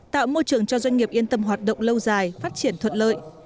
tạo môi trường cho doanh nghiệp yên tâm hoạt động lâu dài phát triển thuận lợi